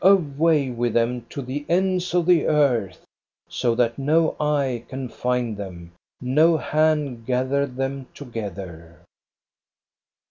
Away with them to the ends of the earth, so that no eye can find them, no hand gather them together